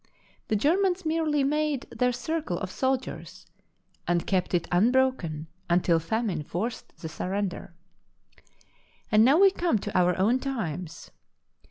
The Germans merely made their circle of soldiers and kept it unbroken until famine forced the surrender. And now we come to our own times.